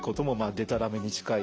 でたらめに近い？